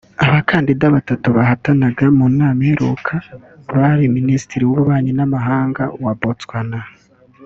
Abakandida batatu bahatanaga mu nama iheruka bari Minisitiri w’Ububanyi N’amahanga wa Botswana